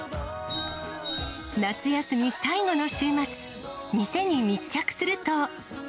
夏休み最後の週末、店に密着すると。